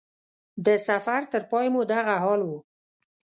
د سفر تر پای مو دغه حال و.